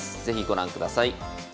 是非ご覧ください。